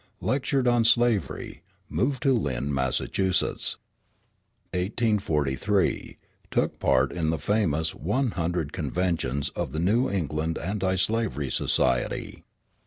Lectured on slavery. Moved to Lynn, Massachusetts. 1843 Took part in the famous "One Hundred Conventions" of the New England Anti slavery Society.